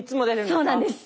そうなんです。